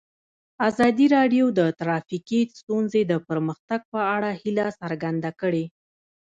ازادي راډیو د ټرافیکي ستونزې د پرمختګ په اړه هیله څرګنده کړې.